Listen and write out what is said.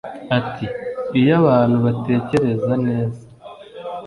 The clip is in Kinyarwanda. Ati “Iyo abantu batekereza neza